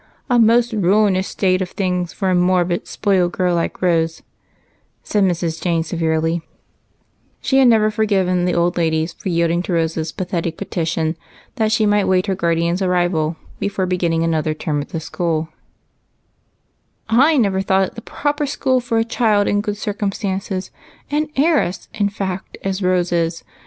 A most ruinous state of things for a morbid, spoilt girl like Rose," said Mrs. Jane, severely. She had never forgiven the old ladies for yielding to Rose's i^athetic petition that she might wait her guardian's arrival before beginning another term at the school, which was a regular Blimber hot bed, and turned out many a feminine Toots. " J never thought it the proper school for a child in good circumstances, — an heiress, in fact, as Rose is.